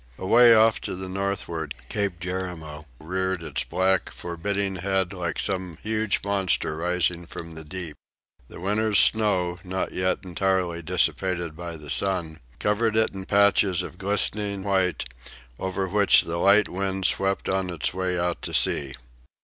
Away off to the northward Cape Jerimo reared its black, forbidding head like some huge monster rising from the deep. The winter's snow, not yet entirely dissipated by the sun, covered it in patches of glistening white, over which the light wind swept on its way out to sea.